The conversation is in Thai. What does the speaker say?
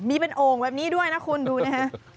มีเป็นโอ่งแบบนี้ด้วยนะคุณดูนะฮะ